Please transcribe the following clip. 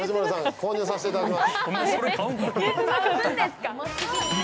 購入させていただきます。